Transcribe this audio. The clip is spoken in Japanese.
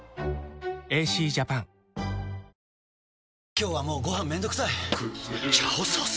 今日はもうご飯めんどくさい「炒ソース」！？